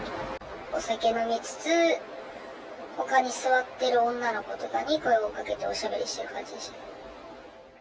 お酒飲みつつ、ほかに座ってる女の子とかに声をかけておしゃべりしてる感じでし